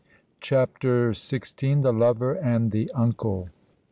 CHAPTER XVI. THE LOVER AND THE UNCLE.